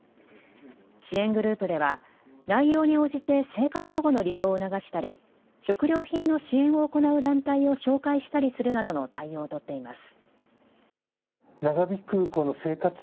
支援グループでは内容に応じて生活保護の利用を促したり、食料品の支援を行う団体を紹介したりするなどの対応を取っています。